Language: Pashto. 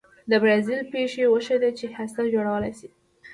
د برازیل پېښې وښوده چې هسته جوړولای شي.